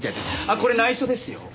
あっこれ内緒ですよ。